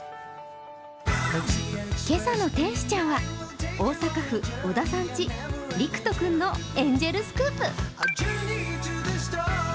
今朝の天使ちゃんは大阪府小田さん家、陸斗くんのエンジェルスクープ。